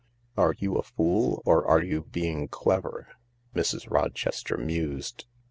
" Are you a fool or are you being clever ?" Mrs. Rochester mused.